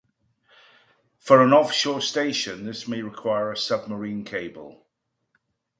For an off-shore station this may require a submarine cable.